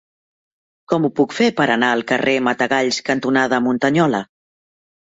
Com ho puc fer per anar al carrer Matagalls cantonada Muntanyola?